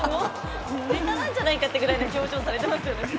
ネタなんじゃないかって表情されていますね。